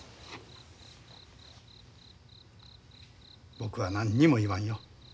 僕は何にも言わんよ。